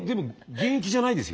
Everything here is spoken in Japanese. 現役ではないです。